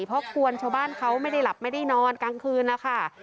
เพราะกวนชาวบ้านเขาไม่ได้หลับไม่ได้นอนกลางคืนนะคะ